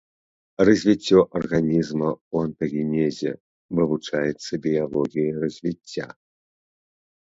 Развіццё арганізма ў антагенезе вывучаецца біялогіяй развіцця.